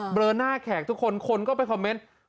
เลอหน้าแขกทุกคนคนก็ไปคอมเมนต์